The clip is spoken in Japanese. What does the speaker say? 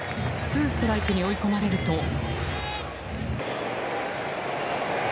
ツーストライクに追い込まれると。